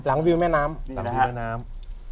หลังวิวแม่น้ำ